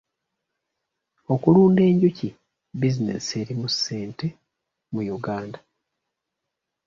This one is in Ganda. Okulunda enjuki bizinensi erimu ssente mu Uganda.